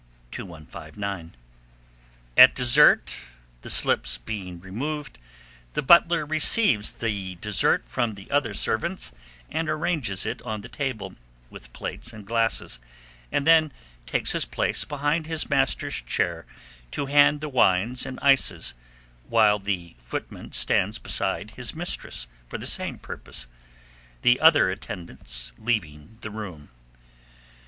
2159. At dessert, the slips being removed, the butler receives the dessert from the other servants, and arranges it on the table, with plates and glasses, and then takes his place behind his master's chair to hand the wines and ices, while the footman stands behind his mistress for the same purpose, the other attendants leaving the room.